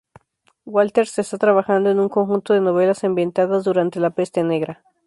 Walters está trabajando en un conjunto de novelas ambientadas durante la Peste Negra.